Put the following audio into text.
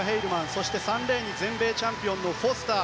そして３レーンに全米チャンピオンのフォスター。